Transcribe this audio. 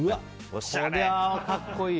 こりゃあ格好いいよ。